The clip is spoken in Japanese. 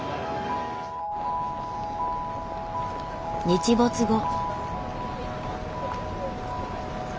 日没後。